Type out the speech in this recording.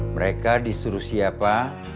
mereka disuruh siapa